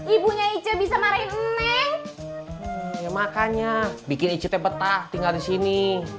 ibu bisa makanya bikin peta tinggal di sini